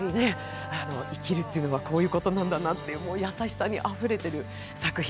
生きるというのはこういうことなんだなという、優しさにあふれてる作品。